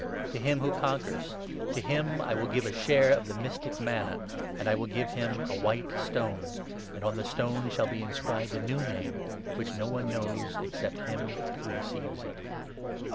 To him who conquers — to him I will give a share of the mystic manna, and I will give him a white stone ; and on the stone shall be inscribed a new name, which no one knows except him who receives it."